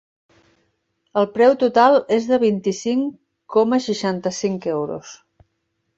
El preu total és de vint-i-cinc coma seixanta-cinc euros.